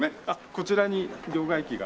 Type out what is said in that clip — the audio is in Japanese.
こちらに両替機が。